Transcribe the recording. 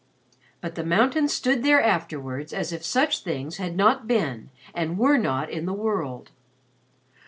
But the mountains stood there afterwards as if such things had not been and were not in the world.